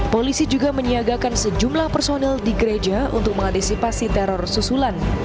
polisi juga menyiagakan sejumlah personil di gereja untuk mengantisipasi teror susulan